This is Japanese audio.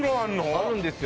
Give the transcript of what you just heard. あるんですよ